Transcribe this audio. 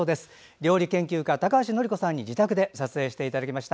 料理研究家・高橋典子さんに自宅で撮影していただきました。